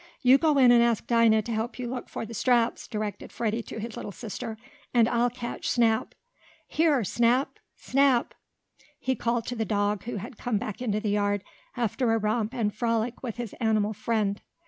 "You go in and ask Dinah to help you look for the straps," directed Freddie to his little sister, "and I'll catch Snap. Here, Snap! Snap!" he called to the dog who had come back into the yard after a romp and frolic with his animal friend.